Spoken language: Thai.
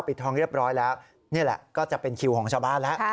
ทองเรียบร้อยแล้วนี่แหละก็จะเป็นคิวของชาวบ้านแล้ว